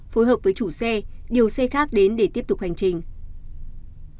phối hợp với chủ xe điều xe khác đến để tiếp tục hành trình